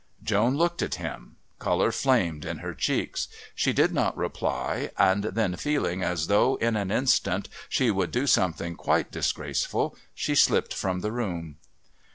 Joan looked at him; colour flamed in her cheeks. She did not reply, and then feeling as though in an instant she would do something quite disgraceful, she slipped from the room.